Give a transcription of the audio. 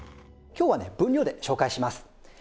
今日はね分量で紹介します。